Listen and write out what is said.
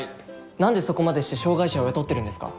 何でそこまでして障がい者を雇ってるんですか？